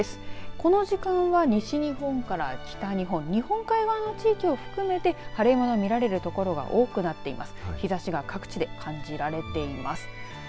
この時間は西日本から北日本日本海側の地域を含めて晴れ間が見られる所が多くなっています。